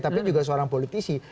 tapi juga seorang politisi